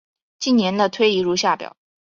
近年的推移如下表。